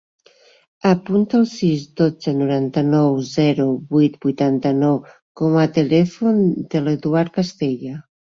Apunta el sis, dotze, noranta-nou, zero, vuit, vuitanta-nou com a telèfon de l'Eduard Castella.